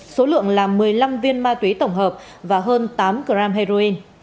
số lượng là một mươi năm viên ma túy tổng hợp và hơn tám gram heroin